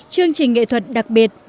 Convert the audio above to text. chương trình nghệ thuật đặc biệt